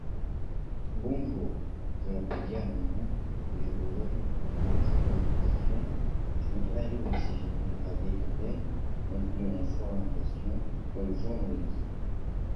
L’église est très fréquentée et renommée pour ses sermons.